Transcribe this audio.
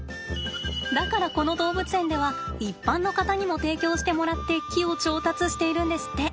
だからこの動物園では一般の方にも提供してもらって木を調達しているんですって。